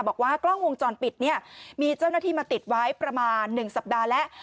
บอกว่ากล้องวงจรปิดเนี่ยมีเจ้าหน้าที่มาติดไว้ประมาณ๑สัปดาห์แล้ว